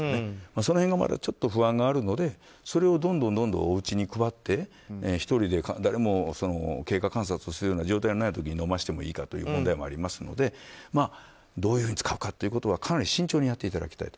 その辺が不安があるのでどんどんおうちに配って１人で、経過観察しない状態のない時に飲ませていいかという問題もありますのでどういうふうに使うかはかなり慎重にやっていただきたい。